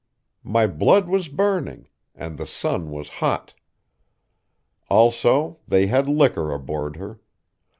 My blood was burning; and the sun was hot. Also, they had liquor aboard her.